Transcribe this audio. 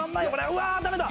うわあダメだ！